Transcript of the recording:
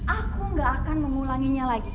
aku gak akan mengulanginya lagi